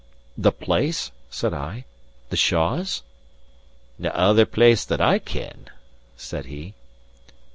"The place?" said I. "The Shaws?" "Nae other place that I ken," said he.